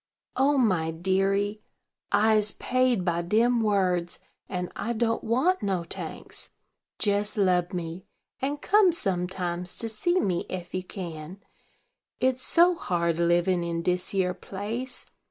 "O my deary! I'se paid by dem words, and I don't want no tanks. Jes lub me, and come sometimes to see me ef you can, it's so hard livin' in dis yere place.